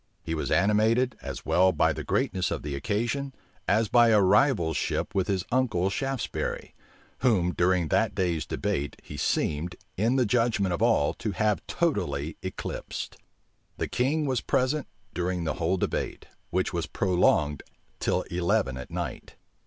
He was animated, as well by the greatness of the occasion, as by a rivalship with his uncle Shaftesbury; whom, during that day's debate, he seemed, in the judgment of all, to have totally eclipsed. The king was present during the whole debate, which was prolonged till eleven at night.